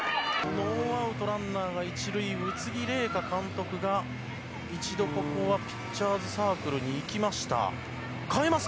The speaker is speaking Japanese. ノーアウトランナーが１塁、宇津木麗華監督が、一度、ここはピッチャーズサークルに行きました。